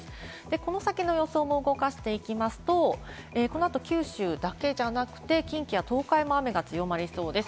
この先の予想も動かしていきますと、このあと九州だけじゃなくて、近畿や東海も雨が強まりそうです。